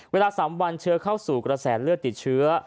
เวลา๓วันเชื้อเข้าสู่กระแสเลือดติดเชื้อ